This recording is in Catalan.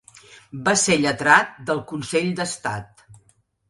Va ser lletrat del Consell d'Estat.